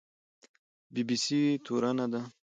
بي بي سي تورنه ده